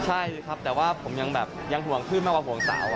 ใช่ครับแต่ว่าผมยังห่วงขึ้นไม่ว่าห่วงสาว